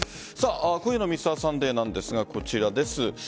今夜の「Ｍｒ．サンデー」なんですがこちらです。